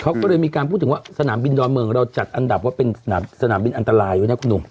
เขาก็เลยมีการพูดถึงว่าสนามบินดอนเมืองเราจัดอันดับว่าเป็นสนามบินอันตรายด้วยนะคุณหนุ่ม